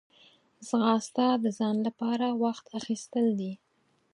ځغاسته د ځان لپاره وخت اخیستل دي